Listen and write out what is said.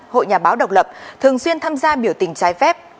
hội nhà báo độc lập thường xuyên tham gia biểu tình trái phép